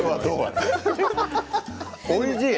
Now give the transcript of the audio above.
おいしい。